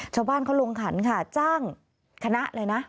ชาวบ้านเขาลงขันค่ะจ้างคณะเลยนะ